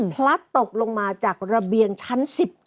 พลัดตกลงมาจากระเบียงชั้น๑๙